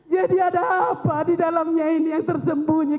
jadi ada apa di dalamnya ini yang tersembunyi